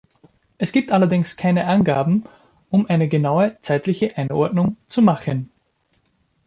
Es gibt allerdings keine Angaben, um eine genaue zeitliche Einordnung zu machen.